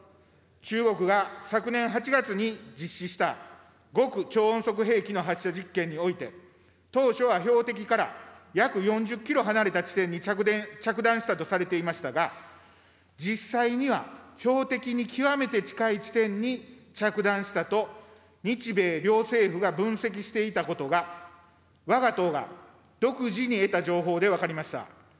中国が昨年８月に実施した、極超音速兵器の発射実験において、当初は標的から約４０キロ離れた地点に着弾したとされていましたが、実際には標的に極めて近い地点に着弾したと、日米両政府が分析していたことが、わが党が独自に得た情報で分かりました。